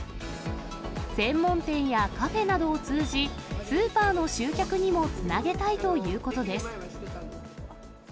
専門店やカフェなどを通じ、スーパーの集客にもつなげたいということです。